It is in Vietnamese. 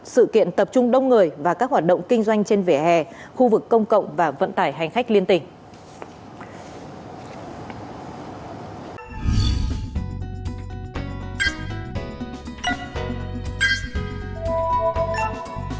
sự kiện tập trung đông người và các hoạt động kinh doanh trên vỉa hè khu vực công cộng và vận tải hành khách liên tỉnh